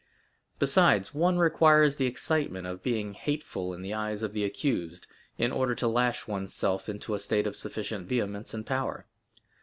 Besides, one requires the excitement of being hateful in the eyes of the accused, in order to lash one's self into a state of sufficient vehemence and power.